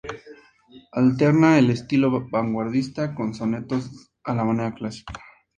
Alterna el estilo vanguardista con sonetos a la manera clásica.